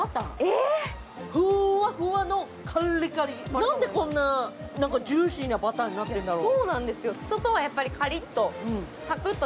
なんでこんなジューシーなバターになってるんだろう？